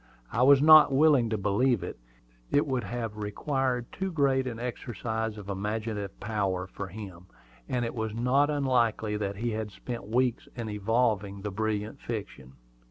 I was not willing to believe it. It would have required too great an exercise of imaginative power for him; and it was not unlikely that he had spent weeks in evolving the brilliant fiction.